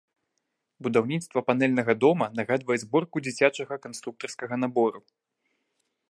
Будаўніцтва панэльнага дома нагадвае зборку дзіцячага канструктарскага набору.